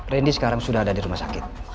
randy sekarang sudah ada di rumah sakit